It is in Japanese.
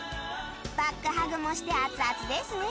バックハグもしてアツアツですね！